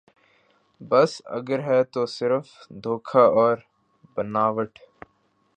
بس اگر ہے تو صرف دکھاوا اور بناوٹ